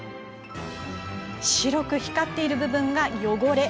白く光っている部分が汚れ。